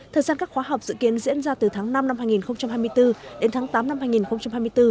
thời gian các khóa học dự kiến diễn ra từ tháng năm năm hai nghìn hai mươi bốn đến tháng tám năm hai nghìn hai mươi bốn